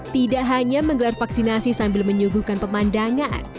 tidak hanya menggelar vaksinasi sambil menyuguhkan pemandangan